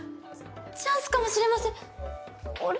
チャンスかもしれませんあれ？